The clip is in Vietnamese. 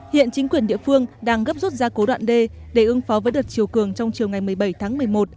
hiện chính quyền địa phương đang gấp rút ra cố đoạn đê để ứng phó với đợt chiều cường trong chiều ngày một mươi bảy tháng một mươi một